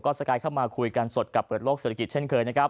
ก็สไกด์เข้ามาคุยกันสดกับเปิดโลกเศรษฐกิจเช่นเคย